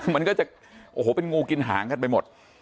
มันก็จะโอ้โหเป็นงูกินหางกันไปหมด